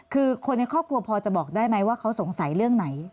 คือคนในครอบครัวพอจะบอกได้ไหมว่าเขาสงสัยเรื่องไหน